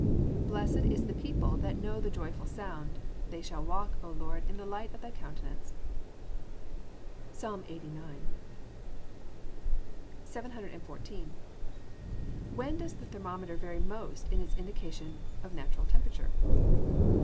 [Verse: "Blessed is the people that know the joyful sound: they shall walk, O Lord, in the light of thy countenance." PSALM LXXXIX.] 714. _When does the thermometer vary most in its indication of natural temperature?